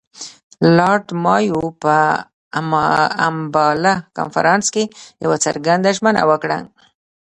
لارډ مایو په امباله کنفرانس کې یوه څرګنده ژمنه وکړه.